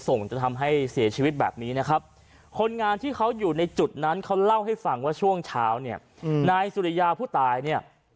จะทำให้เสียชีวิตแบบนี้นะครับคนงานที่เขาอยู่ในจุดนั้นเขาเล่าให้ฟังว่าช่วงเช้าเนี่ยนายสุริยาผู้ตายเนี่ย